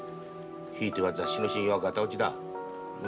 ひいては雑誌の信用はがた落ちだ。